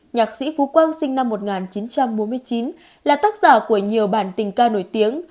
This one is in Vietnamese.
nhạc sĩ phú quang sinh năm một nghìn chín trăm bốn mươi chín là tác giả của nhiều bản tình ca nổi tiếng